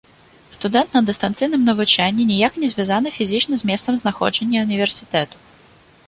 Студэнт на дыстанцыйным навучанні ніяк не звязаны фізічна з месцам знаходжання ўніверсітэту.